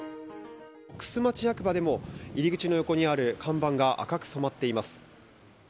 玖珠町役場でも入り口横にある看板が赤く染まっています。